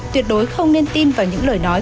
tuyệt đối không nên tin vào những lời nói